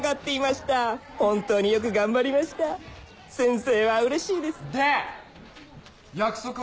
本当によく頑張りました先生はうれしいですで約束は？